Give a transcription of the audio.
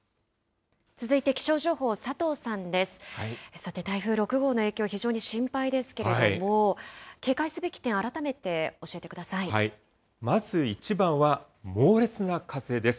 さて、台風６号の影響、非常に心配ですけれども、警戒すべき点、まず一番は猛烈な風です。